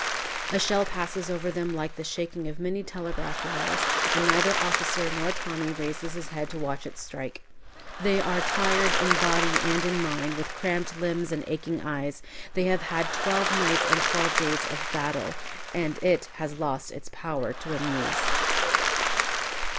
A shell passes over them like the shaking of many telegraph wires, and neither officer nor Tommy raises his head to watch it strike. They are tired in body and in mind, with cramped limbs and aching eyes. They have had twelve nights and twelve days of battle, and it has lost its power to amuse.